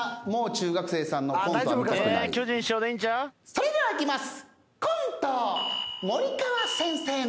それではいきます。